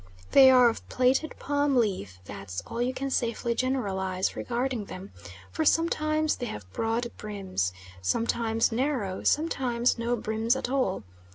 They are of plaited palm leaf that's all you can safely generalise regarding them for sometimes they have broad brims, sometimes narrow, sometimes no brims at all.